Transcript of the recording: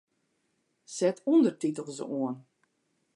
Set ûndertitels oan.